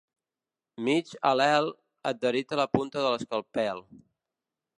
Mig al·lel adherit a la punta de l'escalpel.